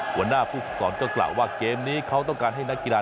หัวหน้าผู้ฝึกสอนก็กล่าวว่าเกมนี้เขาต้องการให้นักกีฬา